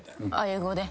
英語で。